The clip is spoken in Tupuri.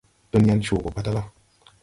Dunyan coo gɔ patala.